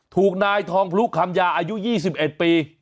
ถูกนายทองพลุคำยาอายุ๒๑ปี